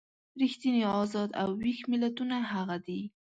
ریښتیني ازاد او ویښ ملتونه هغه دي.